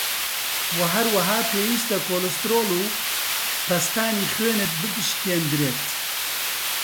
وه هەروەها پێویسته کۆلسترۆڵ و پەستانی خوێنت بپشکێندرێت